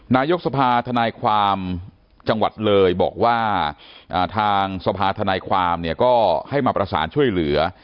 นายกสภาธนายความจังหวัดเลยบอกว่าทางสภาธนายความเนี่ยก็ให้มาประสานช่วยเหลือ